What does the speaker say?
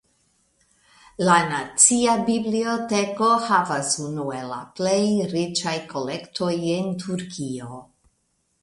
La Nacia Biblioteko havas unu el la plej riĉaj kolektoj en Turkio.